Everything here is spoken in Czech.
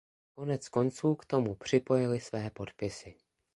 Koneckonců k tomu připojily své podpisy.